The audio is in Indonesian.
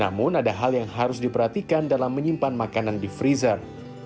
namun ada hal yang harus diperhatikan dalam menyimpan makanan di freezer